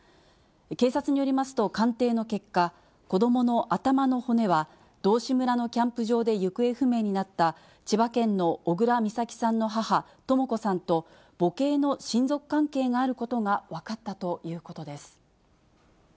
警察によりますと、鑑定の結果、子どもの頭の骨は、道志村のキャンプ場で行方不明になった、千葉県の小倉美咲さんの母、とも子さんと、母系の親族関係があることが分かったということです。